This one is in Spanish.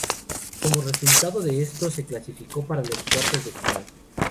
Como resultado de esto se clasificó para los cuartos de final.